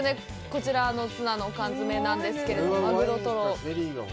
こちら、ツナの缶詰なんですけれども、「鮪とろ」。